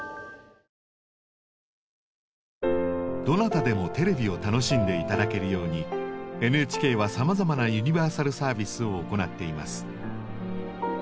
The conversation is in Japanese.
どなたでもテレビを楽しんで頂けるようにＮＨＫはさまざまなユニバーサルサービスを行っています。